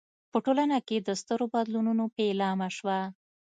په ټولنه کې د سترو بدلونونو پیلامه شوه.